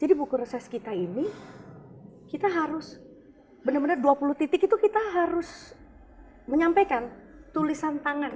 jadi buku reses kita ini kita harus benar benar dua puluh titik itu kita harus menyampaikan tulisan tangan